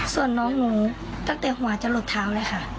ส่วนน้องหนูตั้งแต่หัวจะหลดเท้าเลยค่ะ